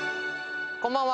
こんばんは。